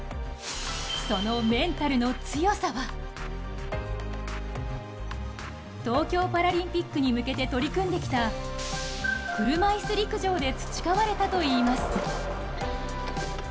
そのメンタルの強さは東京パラリンピックに向けて取り組んできた車いす陸上で培われたといいます。